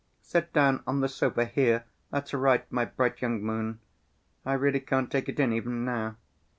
Sit down on the sofa, here, that's right, my bright young moon. I really can't take it in even now....